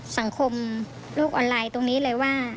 สังคมโลกออนไลน์ตรงนี้เลยว่า